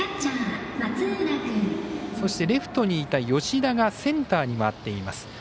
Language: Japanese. そして、レフトにいた吉田がセンターに回っています。